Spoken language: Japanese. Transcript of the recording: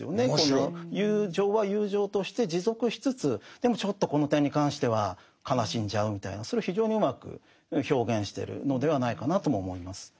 友情は友情として持続しつつでもちょっとこの点に関しては悲しんじゃうみたいなそれを非常にうまく表現してるのではないかなとも思います。